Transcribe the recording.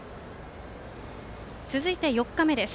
続いて４日目です。